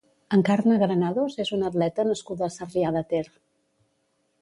Encarna Granados és una atleta nascuda a Sarrià de Ter.